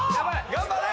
頑張れ！